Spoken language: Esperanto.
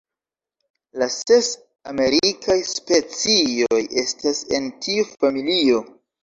La ses amerikaj specioj estas en tiu familio.